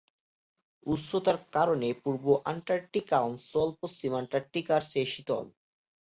উচ্চতার কারণে পূর্ব অ্যান্টার্কটিকা অঞ্চল পশ্চিম অ্যান্টার্কটিকার চেয়ে শীতল।